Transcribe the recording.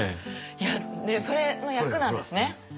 いやそれの役なんですね。